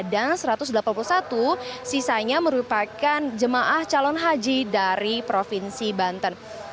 dan satu ratus delapan puluh satu sisanya merupakan jemaah calon haji dari provinsi banten